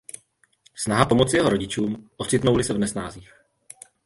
Snaha pomoci jeho rodičům, ocitnou-li se v nesnázích.